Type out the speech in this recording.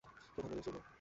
প্রধান নদী: সুরমা।